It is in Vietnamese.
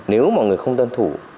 nếu mọi người không tân thủ